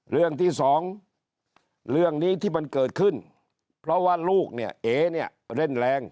เรื่องที่สองเรื่องนี้ที่มันเกิดขึ้นเพราะว่าลูกเนี่ยเอเนี่ยเล่นแรง